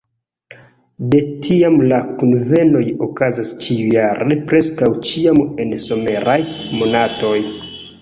De tiam la kunvenoj okazas ĉiujare, preskaŭ ĉiam en someraj monatoj.